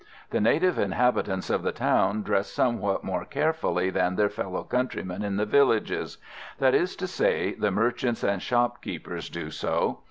The native inhabitants of the town dress somewhat more carefully than their fellow countrymen in the villages; that is to say, the merchants and shopkeepers do so.